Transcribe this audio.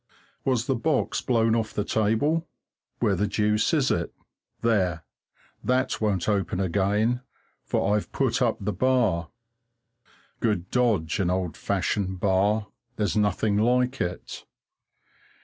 Was the box blown off the table? Where the deuce is it? There! That won't open again, for I've put up the bar. Good dodge, an old fashioned bar there's nothing like it.